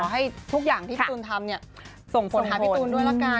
ก็ขอให้ทุกอย่างที่พี่ตูนทำเนี่ยส่งโทนให้พี่ตูนด้วยแล้วกัน